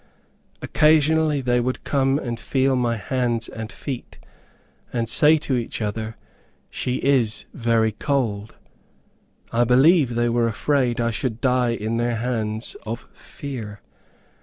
Occasionally they would come and feel my hands and feet, and say to each other, "She is very cold." I believe they were afraid I should die in their hands, of fear.